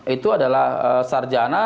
itu adalah sarjana